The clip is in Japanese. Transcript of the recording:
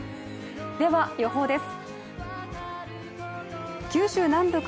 では予報です。